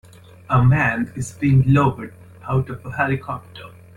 A man is being lowered out of a helicopter.